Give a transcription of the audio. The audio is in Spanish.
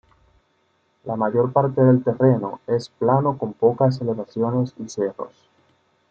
La mayor parte del terreno es plano con pocas elevaciones y cerros.